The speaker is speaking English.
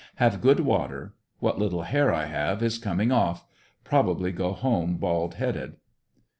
Have good water. What little hair I have is coming off; probably go home bald headed.